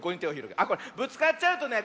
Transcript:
あっこれぶつかっちゃうとねこわい